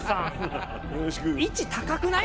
位置高くない？